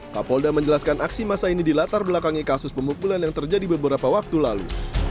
kapolda menjelaskan aksi masa ini dilatar belakangi kasus pemukulan yang terjadi beberapa waktu lalu